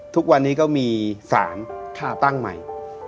ทุกวันนี้ก็มีสารตั้งใหม่